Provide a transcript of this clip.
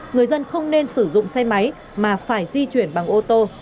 người dân không nên sử dụng xe máy mà phải di chuyển bằng ô tô